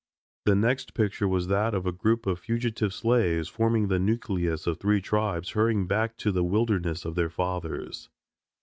The next picture was that of a group of fugitive slaves, forming the nucleus of three tribes, hurrying back to the wilderness of their fathers.